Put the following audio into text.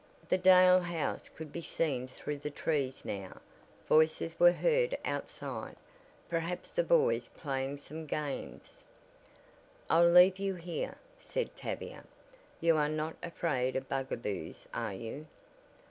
The Dale house could be seen through the trees now. Voices were heard outside; perhaps the boys playing some games. "I'll leave you here," said Tavia, "you are not afraid of bugaboos are you?"